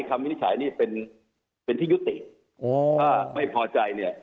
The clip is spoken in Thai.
วินิจฉัยนี่เป็นเป็นที่ยุติถ้าไม่พอใจเนี่ย